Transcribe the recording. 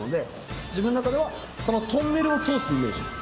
自分の中ではそのトンネルを通すイメージ。